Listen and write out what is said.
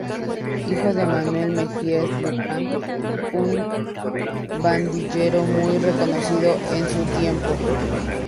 Hijo de Manuel Mejías Luján, un banderillero muy reconocido en su tiempo.